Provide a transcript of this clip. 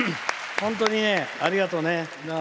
本当にありがとうね。